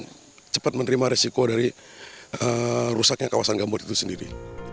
mereka akan paling cepat menerima resiko dari rusaknya kawasan gambut itu sendiri